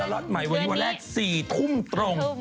สล็อตใหม่วันแรก๔ทุ่มตรง